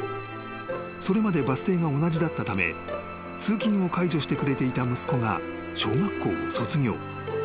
［それまでバス停が同じだったため通勤を介助してくれていた息子が小学校を卒業］